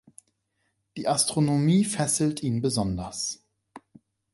Die Astronomie fesselte ihn besonders.